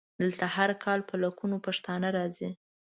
دلته هر کال په لکونو پښتانه راځي.